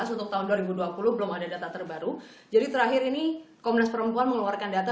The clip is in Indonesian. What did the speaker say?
untuk tahun dua ribu dua puluh belum ada data terbaru jadi terakhir ini komnas perempuan mengeluarkan data